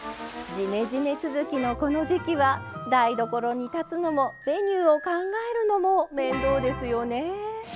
ジメジメ続きのこの時期は台所に立つのもメニューを考えるのも面倒ですよね。